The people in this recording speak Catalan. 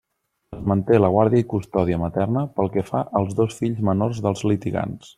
Es manté la guarda i custòdia materna pel que fa als dos fills menors dels litigants.